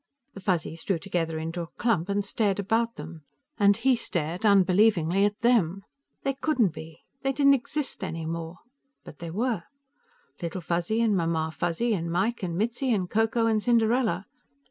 The Fuzzies drew together into a clump and stared around them, and he stared, unbelievingly, at them. They couldn't be; they didn't exist any more. But they were Little Fuzzy and Mamma Fuzzy and Mike and Mitzi and Ko Ko and Cinderella.